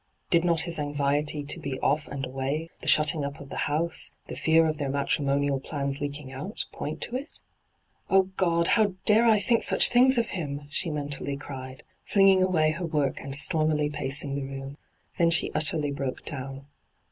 Did not his anxiety to be off and away, the shutting up of the house, the fear of their matrimonial plans leak ing out, point to it ?' Oh, Ood, how dare I think such things of him !' she mentally cried, flinging away her work and stormUy pacing the room. Then she utterly broke down.